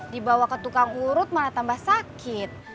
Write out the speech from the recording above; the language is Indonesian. dibawa ke tukang urut malah tambah sakit